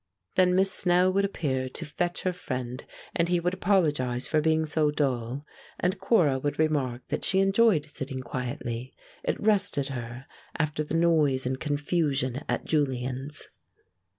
Then Miss Snell would appear to fetch her friend, and he would apologize for being so dull, and Cora would remark that she enjoyed sitting quietly, it rested her after the noise and confusion at Julian's.